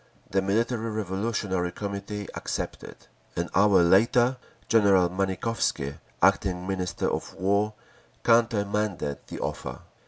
The Military Revolutionary Committee accepted. An hour later General Manikovsky, acting Minister of war, countermanded the offer….